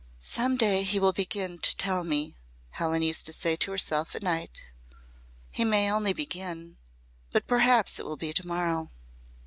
"Some day he will begin to tell me," Helen used to say to herself at night. "He may only begin but perhaps it will be to morrow."